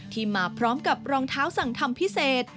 มาพร้อมกับรองเท้าสั่งทำพิเศษ